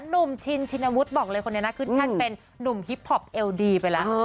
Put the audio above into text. หนุ่มชินชินวุฒิบอกเลยคนนี้นะขึ้นแท่นเป็นนุ่มฮิปพอปเอวดีไปแล้ว